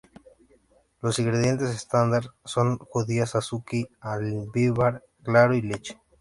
Los ingredientes estándar son judías "azuki", almíbar claro y leche.